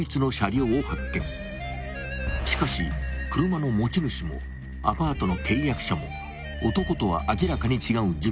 ［しかし車の持ち主もアパートの契約者も男とは明らかに違う人物］